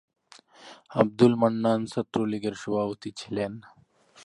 আব্দুল মান্নান ছাত্রলীগের সভাপতি ছিলেন।